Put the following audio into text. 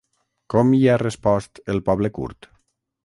Com hi ha respost el poble kurd?